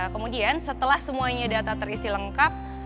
kemudian setelah semuanya data terisi lengkap